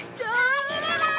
逃げろ！